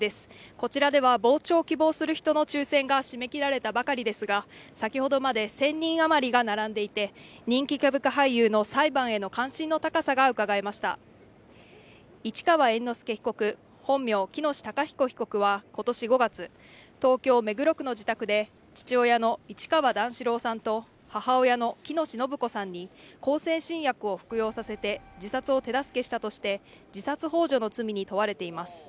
こちらでは傍聴を希望する人の抽選が締め切られたばかりですが先ほどまで１０００人余りが並んでいて人気歌舞伎俳優の裁判への関心の高さがうかがえました市川猿之助被告本名・喜熨斗孝彦被告は今年５月東京・目黒区の自宅で父親の市川段四郎さんと母親の喜熨斗延子さんに向精神薬を服用させて自殺を手助けしたとして自殺ほう助の罪に問われています